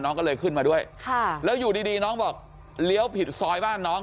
น้องก็เลยขึ้นมาด้วยค่ะแล้วอยู่ดีน้องบอกเลี้ยวผิดซอยบ้านน้อง